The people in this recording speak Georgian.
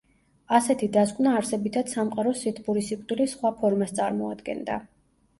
ასეთი დასკვნა არსებითად სამყაროს სითბური სიკვდილის სხვა ფორმას წარმოადგენდა.